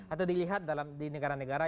atau dilihat di negara negara